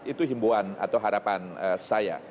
itu himbuan atau harapan saya